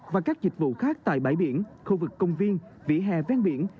và các dịch vụ khác tại bãi biển khu vực công viên vỉa hè ven biển